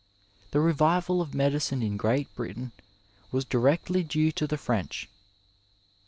The revival of medicine in Great Britain was directly due to the French.